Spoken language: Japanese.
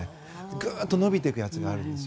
グーッと伸びていくやつがあるんですよ。